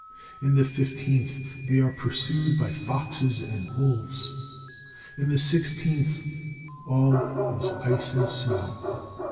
In the fifteenth they are pursued by foxes and wolves. In the sixteenth, all is ice and snow.